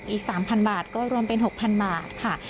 อีก๓๐๐บาทก็รวมเป็น๖๐๐บาทค่ะ